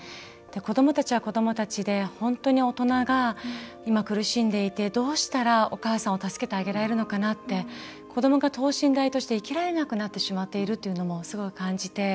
子どもたちは子どもたちで本当に大人が今、苦しんでいてどうしたらお母さんを助けてあげられるのかなって子どもが等身大として生きられなくなってしまっているというのも、すごく感じて。